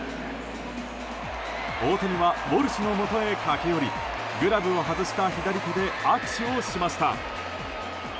大谷はウォルシュのもとへ駆け寄りグラブを外した左手で握手をしました。